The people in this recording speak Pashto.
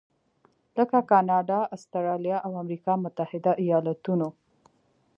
لکه کاناډا، اسټرالیا او امریکا متحده ایالتونو.